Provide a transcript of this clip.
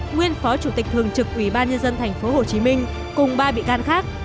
nguyên phó chủ tịch thường trực ủy ban nhân dân tp hcm cùng ba bị can khác